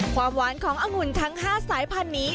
ความหวานขององุ่นทั้ง๕สายพันธุ์นี้